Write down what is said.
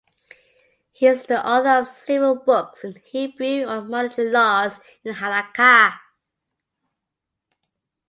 He is the author of several books in Hebrew on monetary laws in "halakha".